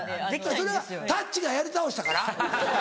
それはたっちがやり倒したから？